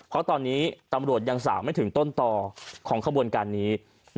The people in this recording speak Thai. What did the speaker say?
เพราะตอนนี้ตำรวจยังสาวไม่ถึงต้นต่อของขบวนการนี้